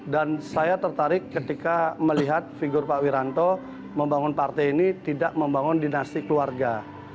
dan saya tertarik ketika melihat figur pak wiranto membangun partai ini tidak membangun dinasti keluarga